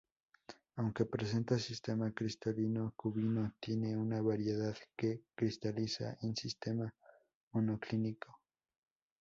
Aunque presenta sistema cristalino cúbico tiene una variedad que cristaliza en sistema monoclínico.